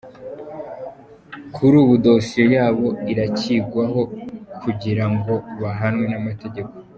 Kuri ubu dosiye yabo irakigwaho kugira ngo bahanwe n’amategeko.